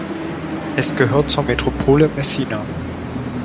Es gehört zur Metropole Messina.